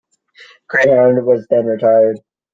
Greyhound was then retired.